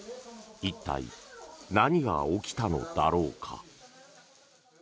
一体、何が起きたのだろうか。